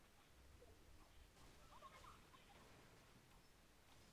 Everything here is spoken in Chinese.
珀金斯维尔是位于美国亚利桑那州亚瓦派县的一个非建制地区。